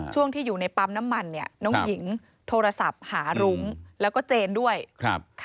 ช่วงที่อยู่ในปั๊มน้ำมันเนี่ยน้องหญิงโทรศัพท์หารุ้งแล้วก็เจนด้วยครับ